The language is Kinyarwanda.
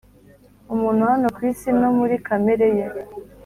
umuntu hano ku isi no muri kamere ye